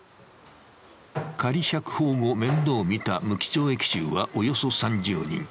仮釈放後、面倒を見た無期懲役囚はおよそ３０人。